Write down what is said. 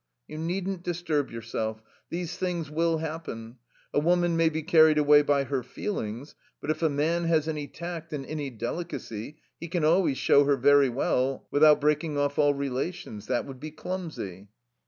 "You needn't disturb yourself. These things will happen. A woman may be carried away by her feelings, but if a man has any tact and any delicacy he can always show her very well without breaking off all relations. That would be clumsy."